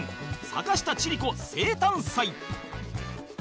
坂下千里子生誕祭